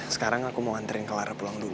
sekarang aku mau anterin ke lara pulang dulu